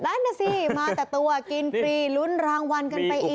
นั่นน่ะสิมาแต่ตัวกินฟรีลุ้นรางวัลกันไปอีก